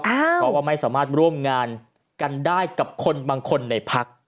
เพราะว่าไม่สามารถร่วมงานกันได้กับคนบางคนในพัก